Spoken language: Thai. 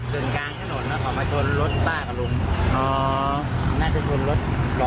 ส่วนสองตายายขี่จักรยานยนต์อีกคันหนึ่งก็เจ็บถูกนำตัวส่งโรงพยาบาลสรรค์กำแพง